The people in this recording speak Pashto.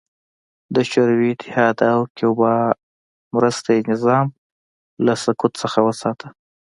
د شوروي اتحاد او کیوبا په مرسته یې نظام له سقوط څخه وساته.